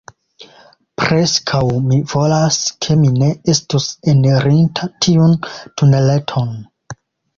Preskaŭ mi volas ke mi ne estus enirinta tiun tuneleton.